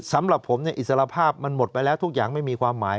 สำหรับผมอิสรภาพมันหมดไปแล้วทุกอย่างไม่มีความหมาย